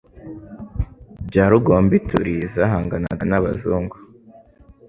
bya Rugombituli zahanganaga n'abazungu,